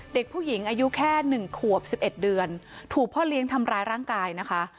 เด็กผู้หญิงอายุแค่๑ขวบ๑๑เดือนถูกพ่อเลี้ยงทำร้ายร่างกายนะคะ